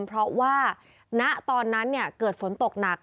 เพราะว่าณตอนนั้นเกิดฝนตกหนัก